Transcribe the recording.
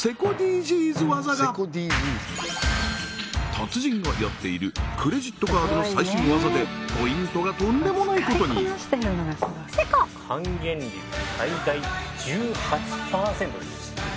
達人がやっているクレジットカードの最新技でポイントがとんでもないことに還元率最大１８％です